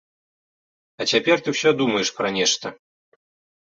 А цяпер ты ўсё думаеш пра нешта.